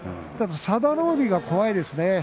佐田の海が怖いですね